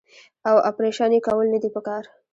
او اپرېشن ئې کول نۀ دي پکار -